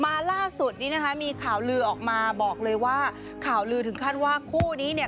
ล่าสุดนี้นะคะมีข่าวลือออกมาบอกเลยว่าข่าวลือถึงขั้นว่าคู่นี้เนี่ย